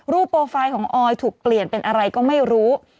โปรไฟล์ของออยถูกเปลี่ยนเป็นอะไรก็ไม่รู้